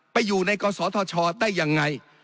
ไปอยู่ในกศธชได้ยังไง